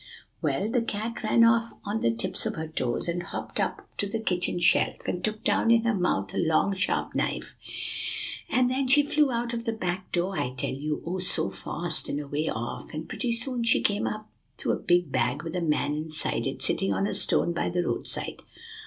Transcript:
"Well, the cat ran off on the tips of her toes, and hopped up to the kitchen shelf, and took down in her mouth a long, sharp knife; and then she flew out of the back door, I tell you, oh! so fast, and away off. And pretty soon she came up to a big bag with a man inside it, sitting on a stone by the roadside.